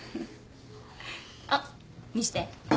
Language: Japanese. あっ見して。